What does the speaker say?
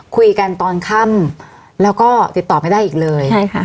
คุยกันตอนค่ำแล้วก็ติดต่อไม่ได้อีกเลยใช่ค่ะ